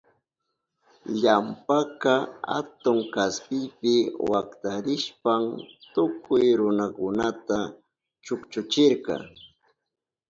Ilampaka atun kaspipi waktarishpan tukuy runakunata chukchuchirka.